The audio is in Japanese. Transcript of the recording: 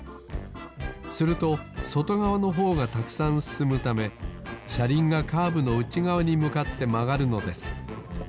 するとそとがわのほうがたくさんすすむためしゃりんがカーブのうちがわにむかってまがるのです